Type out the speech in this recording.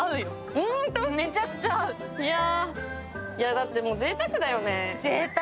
だってもう、ぜいたくだよね。